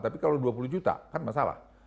tapi kalau dua puluh juta kan masalah